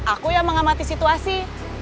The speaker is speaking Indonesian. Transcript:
aku yang mengamati situasi